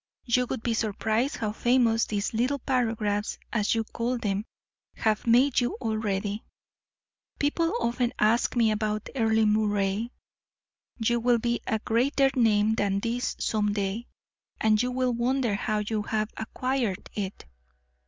You would be surprised how famous these little paragraphs, as you call them, have made you already. People often ask me about Earle Moray. You will have a greater name than this some day, and you will wonder how you have acquired it."